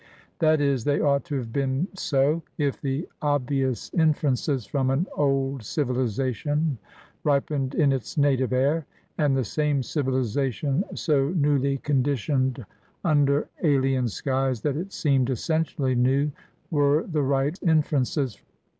That is, they ought to have been so, if the obvious inferences from an old civilization ripened in its native air, and the same civihzation so newly conditioned under alien skies that it seemed essentially new, were the right inferences.